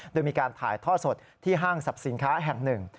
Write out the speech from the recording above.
โดยมีการถ่ายท่อสดที่ห้างสรรพสินค้าแห่งหนึ่ง